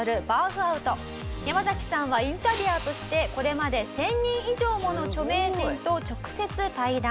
ヤマザキさんはインタビュアーとしてこれまで１０００人以上もの著名人と直接対談。